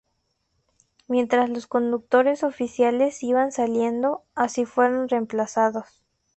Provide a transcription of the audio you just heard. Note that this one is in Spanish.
Mientras los conductores oficiales iban saliendo, así fueron reemplazados.